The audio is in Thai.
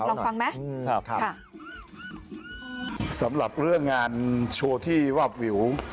ลองฟังไหมครับค่ะสำหรับเรื่องงานโชว์ที่วาบวิว